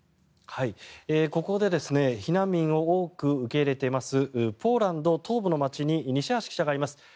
ここで避難民を多く受け入れていますポーランド東部の街に西橋記者がいます。